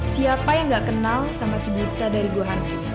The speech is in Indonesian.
siapa yang tidak kenal sama si buta dari goa hantu